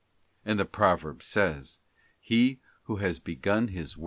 And the proverb says, He who has begun his work has * Rom.